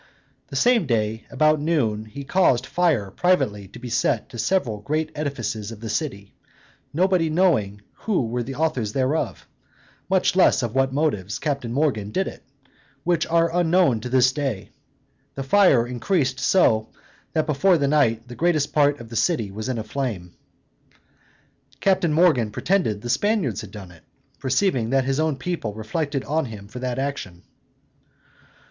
The same day about noon, he caused fire privately to be set to several great edifices of the city, nobody knowing who were the authors thereof, much less on what motives Captain Morgan did it, which are unknown to this day: the fire increased so, that before night the greatest part of the city was in a flame. Captain Morgan pretended the Spaniards had done it, perceiving that his own people reflected on him for that action.